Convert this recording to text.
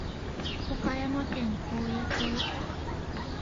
和歌山県高野町